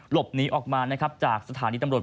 หลบหนีออกมานะครับจากสถานีตำรวจ